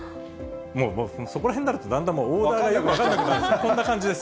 もう、もう、そこらへんになると、だんだんもう、よく分からなくなる、こんな感じです。